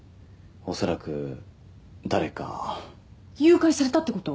恐らく誰か誘拐されたってこと？